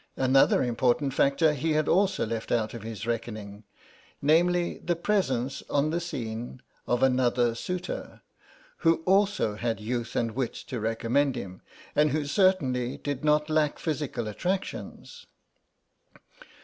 Another important factor he had also left out of his reckoning, namely the presence on the scene of another suitor, who also had youth and wit to recommend him, and who certainly did not lack physical attractions.